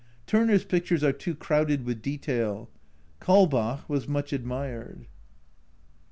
Turner's pictures are too crowded with detail !! Kaulbach was much admired.